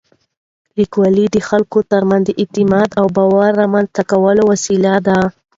لیکوالی د خلکو تر منځ د اعتماد او باور رامنځته کولو وسیله ده.